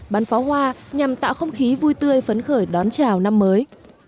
bắn pháo hoa nhằm tạo không khí vui tươi phấn khởi đón chào năm mới